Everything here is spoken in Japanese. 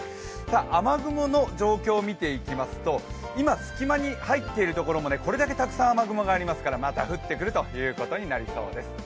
雨雲の状況を見ていきますと、今、隙間に入っているところもこれだけたくさん雨雲がありますからまた降ってくるということになりそうです。